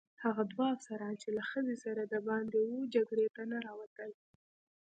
هغه دوه افسران چې له خزې څخه دباندې وه جګړې ته نه راوتل.